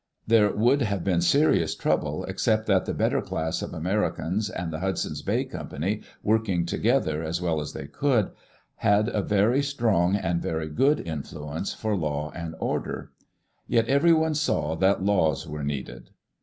There would have been serious trouble, except that the better class of Ameri cans and the Hudson's Bay Company, working together as well as they could, had a very strong and a very good influence for law and order. Yet everyone saw that laws were needed.